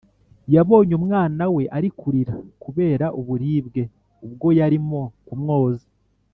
yabonye umwana we ari kurira kubera uburibwe ubwo yarimo kumwoza.